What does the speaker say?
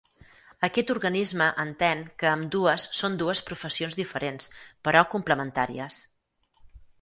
Aquest organisme entén que ambdues són dues professions diferents però complementàries.